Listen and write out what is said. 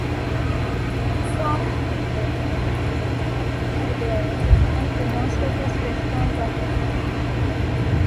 Shari's features a distinctive hexagonal building design for most of its restaurant locations.